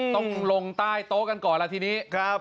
ต้องลงใต้โต๊ะกันก่อนล่ะทีนี้ครับ